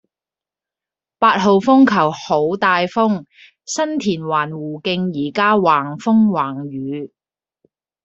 八號風球好大風，新田環湖徑依家橫風橫雨